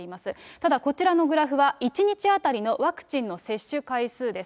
ただこちらのグラフは、１日当たりのワクチンの接種回数です。